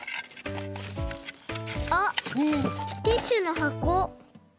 あっティッシュのはこ。